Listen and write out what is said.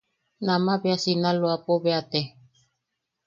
Nama bea Sinaloapo bea te.